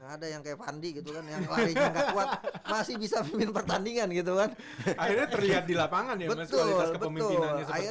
ada yang kayak fandi gitu kan yang larinya gak kuat masih bisa memimpin pertandingan gitu kan